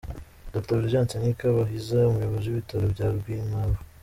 Dr Fulgence Nkikabahiza, umuyobozi w'ibitaro bya Rwinkwavu.